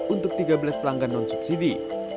untuk tiga belas pelanggan non subsidi